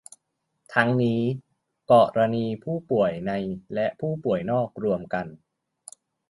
ทั้งนี้ กรณีผู้ป่วยในและผู้ป่วยนอกรวมกัน